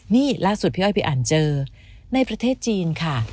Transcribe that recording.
นี่ล่าสุดพี่อ้อยพี่อันเจอในประเทศจีนค่ะ